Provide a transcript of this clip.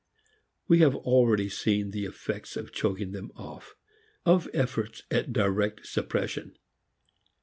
We have already seen the effects of choking them off, of efforts at direct suppression.